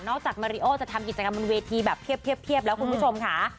จากมาริโอจะทำกิจกรรมบนเวทีแบบเพียบแล้วคุณผู้ชมค่ะ